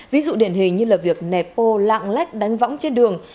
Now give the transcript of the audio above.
ví dụ điển hình như là việc nẹt bô lạng lách đánh võng trên đường